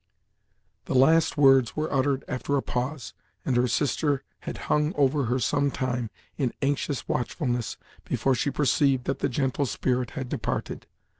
The last words were uttered after a pause, and her sister had hung over her some time, in anxious watchfulness, before she perceived that the gentle spirit had departed.